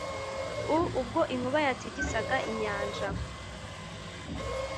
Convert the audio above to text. u ubwo inkuba yatigisaga inyanja.